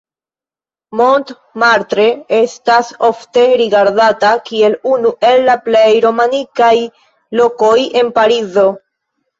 Montmartre estas ofte rigardata kiel unu el la plej romantikaj lokoj en Parizo.